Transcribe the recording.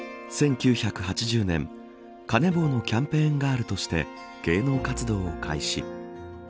１９８０年カネボウのキャンペーンガールとして芸能活動を開始。